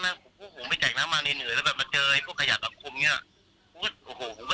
เรื่องผมไม่ให้นี่หรอกผมคือไปตรงพื้นที่มาเหนื่อยด้วย